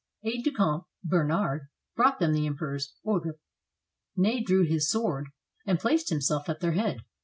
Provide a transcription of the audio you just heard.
Aide de camp Bernard brought them the Emperor's order. Ney drew his sword and placed himself at their head.